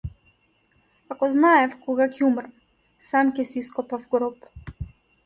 Ако знаев кога ќе умрам, сам ќе си ископав гроб.